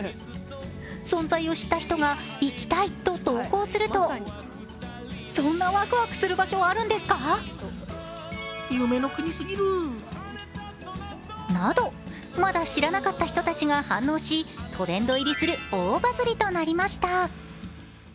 存在を知った人が行きたいと投稿するとなど、まだ知らなかった人たちが反応し、トレンド入りする大バズりと鳴りました。